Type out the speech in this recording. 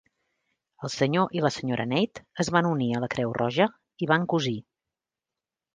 El senyor i la senyora Nate es van unir a la Creu Roja i van cosir.